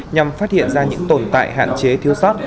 nhằm phát hiện ra những tồn tại hạn chế thiếu sót